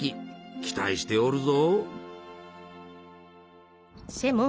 期待しておるぞ。